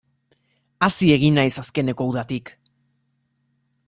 Hazi egin naiz azkeneko udatik.